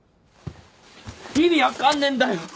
意味分かんねえんだよ！